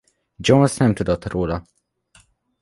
Jones nem tudott róla.